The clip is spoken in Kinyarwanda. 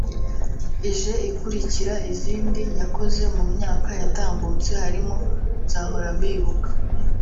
ije ikurikira izindi yakoze mu myaka yatambutse harimo ’Nzahora Mbibuka’